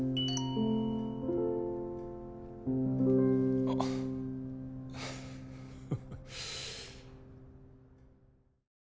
あフフフ。